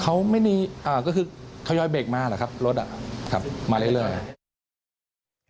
เขาไม่มีอ่าก็คือเขายอยเบรกมาแหละครับรถอ่ะครับมาเรื่อย